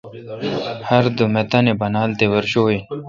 ہردوم اے،° تانی بانال تے ورشو این۔